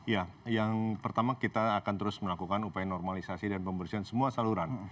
ya yang pertama kita akan terus melakukan upaya normalisasi dan pembersihan semua saluran